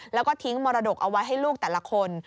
แล้วก็ทิ้งมรดกเอาไว้ให้ลูกแต่ละคน